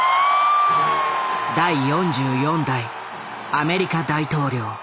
第４４代アメリカ大統領。